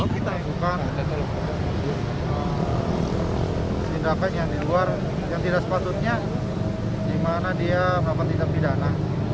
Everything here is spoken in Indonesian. kita yang bukan tindakan yang di luar yang tidak sepatutnya dimana dia berapa tindak pidana ya